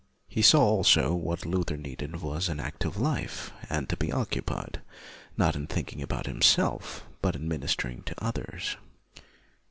He saw also that what Luther needed was an active life, and to be occupied, not in thinking about himself, but in ministering to others.